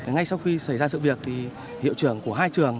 ngay sau khi xảy ra sự việc thì hiệu trưởng của hai trường